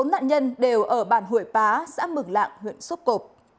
bốn nạn nhân đều ở bàn hủy pá xã mừng lạn huyện xúc cộp